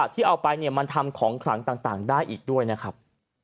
แต่มันทำของขังต่างได้อีกด้วยนะครับ